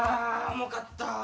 重かった。